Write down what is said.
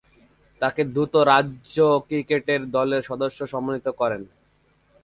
তাকে দ্রুত রাজ্য ক্রিকেট দলের সদস্য মনোনীত করেন।